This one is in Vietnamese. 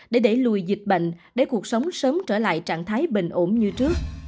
để đẩy lùi dịch bệnh để cuộc sống sớm trở lại trạng thái bình ổn như trước